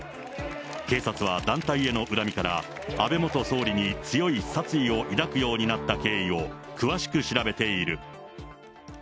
警察は団体への恨みから、安倍元総理に強い殺意を抱くようになった経緯を詳しく調べている。